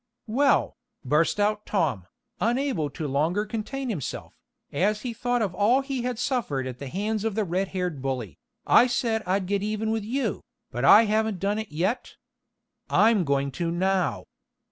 "Well," burst out Tom, unable to longer contain himself, as he thought of all he had suffered at the hands of the red haired bully, "I said I'd get even with you, but I haven't done it yet. I'm going to now.